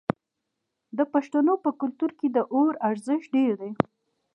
د پښتنو په کلتور کې د اور ارزښت ډیر دی.